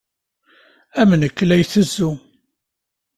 Am nekk la itezzu.